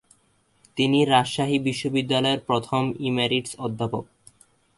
তিনি রাজশাহী বিশ্ববিদ্যালয়ের প্রথম ইমেরিটাস অধ্যাপক।